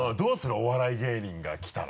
お笑い芸人が来たら。